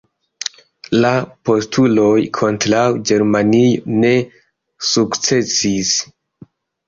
La postuloj kontraŭ Germanio ne sukcesis.